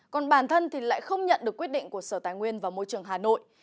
còn bản thân thì lại không nhận được quyết định của sở tài nguyên và môi trường hà nội